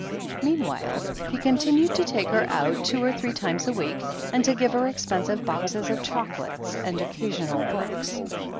Meanwhile he continued to take her out two or three times a week, and to give her expensive boxes of choco lates and occasional books.